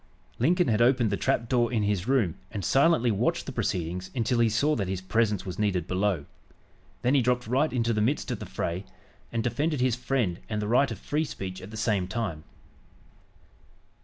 Lincoln had opened the trap door in his room and silently watched the proceedings until he saw that his presence was needed below. Then he dropped right into the midst of the fray, and defended his friend and the right of free speech at the same time.